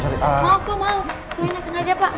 sayang gak sengaja pak